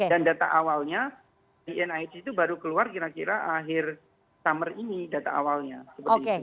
dan data awalnya di nih itu baru keluar kira kira akhir summer ini data awalnya